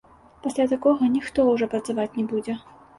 Пасля такога ніхто ўжо працаваць не будзе.